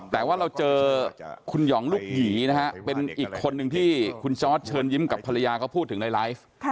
แต่ว่าเราเจอคุณหย่องลูกหยีนะฮะเป็นอีกคนนึงที่คุณจอร์ดเชิญยิ้มกับภรรยาเขาพูดถึงในไลฟ์